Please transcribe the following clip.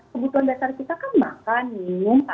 kebutuhan dasar kita kan makan minum makan